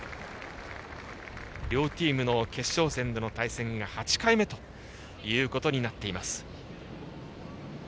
両チームの決勝戦での対戦は８回目ということになっています。